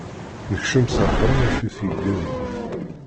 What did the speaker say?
Nekcem s axxam, naf-it igen.